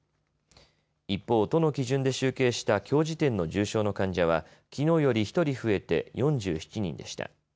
一方、都の基準で集計したきょう時点の重症の患者はきのうより１人増えて４７人でした。